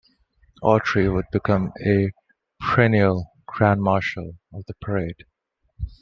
Autry would become a perennial Grand Marshal of the parade.